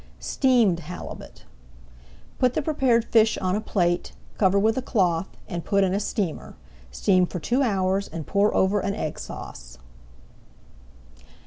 STEAMED HALIBUT Put the prepared fish on a plate, cover with a cloth, and put in a steamer. Steam for two hours and pour over an Egg Sauce.